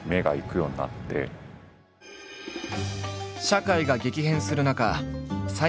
社会が激変する中斎